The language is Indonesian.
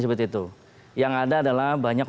seperti itu yang ada adalah banyak